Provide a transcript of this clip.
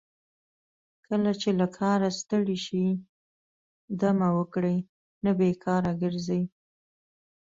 کله چې له کاره ستړي شئ دمه وکړئ نه بیکاره ګرځئ.